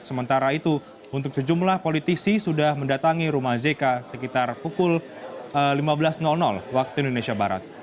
sementara itu untuk sejumlah politisi sudah mendatangi rumah jk sekitar pukul lima belas waktu indonesia barat